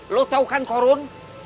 lo tau kan korun